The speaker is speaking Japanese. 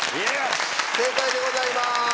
正解でございます。